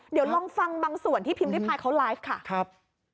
เดี๋ยวลองฟังบางส่วนที่พิมพิพายเขาไลฟ์ค่ะครับ